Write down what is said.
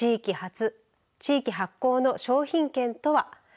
地域発行の商品券とは。